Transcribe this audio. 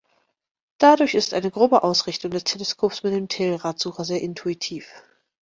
Dadurch ist eine grobe Ausrichtung des Teleskops mit dem Telrad-Sucher sehr intuitiv.